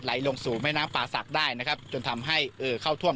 ลงสู่แม่น้ำป่าศักดิ์ได้นะครับจนทำให้เอ่อเข้าท่วม